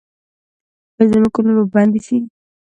ایا زما کولمې به بندې شي؟